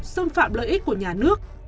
xâm phạm lợi ích của nhà nước